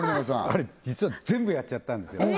あれ実は全部やっちゃったんですよ